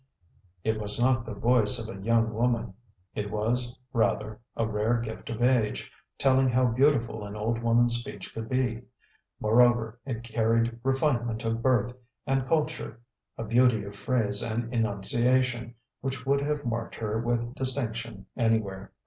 It was not the voice of a young woman; it was, rather, a rare gift of age, telling how beautiful an old woman's speech could be. Moreover, it carried refinement of birth and culture, a beauty of phrase and enunciation, which would have marked her with distinction anywhere.